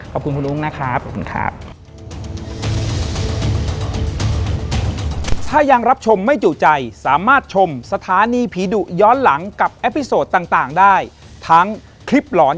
ขอบคุณคุณลุงนะครับ